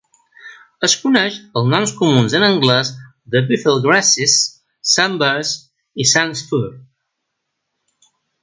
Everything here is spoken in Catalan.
Es coneix pels noms comuns en anglès de "buffelgrasses", "sandburs" i "sand spur".